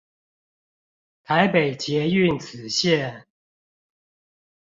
台北捷運紫線